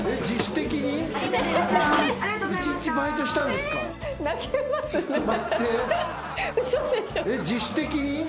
自主的に？